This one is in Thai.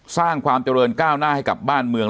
สร้างความเจริญก้าวหน้าให้กับบ้านเมือง